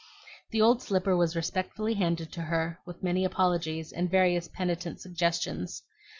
The old slipper was respectfully handed to her with many apologies and various penitent suggestions.